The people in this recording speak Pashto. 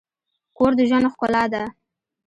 کور د ژوند ښکلا ده.